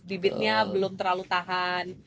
bibitnya belum terlalu tahan